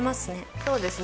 そうですね。